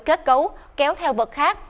kết cấu kéo theo vật khác